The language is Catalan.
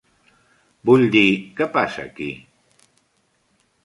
Vull dir, què passa aquí?